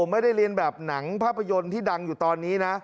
ไม่ได้เรียนแบบหนังภาพยนตร์ที่ดังอยู่ตอนนี้นะ